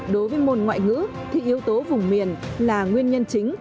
đối với môn ngoại ngữ thì yếu tố vùng miền là nguyên nhân chính